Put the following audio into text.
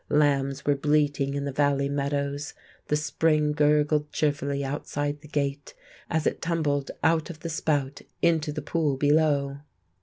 Lambs were bleating in the valley meadows; the spring gurgled cheerfully outside the gate as it tumbled out of the spout into the pool below.